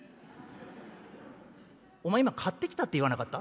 「お前今買ってきたって言わなかった？」。